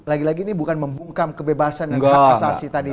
lagi lagi ini bukan membungkam kebebasan dan hak asasi tadi